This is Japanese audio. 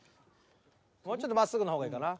もうちょっとまっすぐの方がええかな。